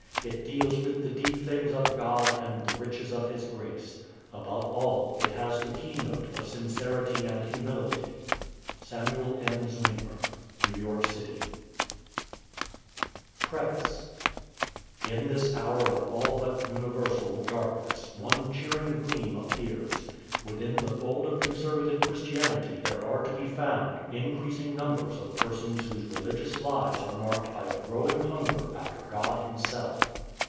It deals with the deep things of God and the riches of His grace. Above all, it has the keynote of sincerity and humility. Samuel M. Zwemer New York City Preface In this hour of all but universal darkness one cheering gleam appears: within the fold of conservative Christianity there are to be found increasing numbers of persons whose religious lives are marked by a growing hunger after God Himself.